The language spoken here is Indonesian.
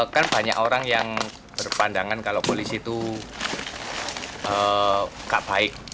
kan banyak orang yang berpandangan kalau polisi itu gak baik